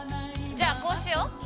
じゃあこうしよう。